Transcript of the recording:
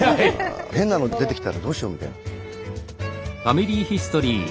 変なのが出てきたらどうしようみたいなのが。